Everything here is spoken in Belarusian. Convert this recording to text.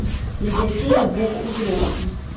Для дзяцей любога ўзросту.